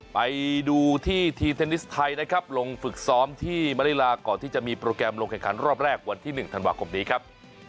ไปดูที่ทีมเทนนิสไทยนะครับลงฝึกซ้อมที่มาริลาก่อนที่จะมีโปรแกรมลงแข่งขันรอบแรกวันที่๑ธันวาคมนี้ครับ